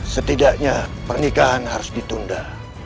setidaknya pernikahan harus ditunda